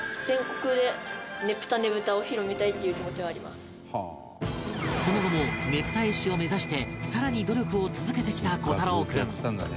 もうホントにその後もねぷた絵師を目指してさらに努力を続けてきた虎太朗君